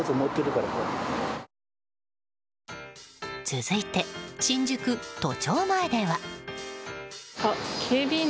続いて、新宿・都庁前では。